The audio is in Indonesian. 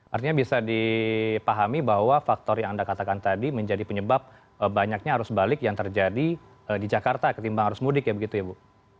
artinya bisa dipahami bahwa faktor yang anda katakan tadi menjadi penyebab banyaknya arus balik yang terjadi di jakarta ketimbang arus mudik ya begitu ya bu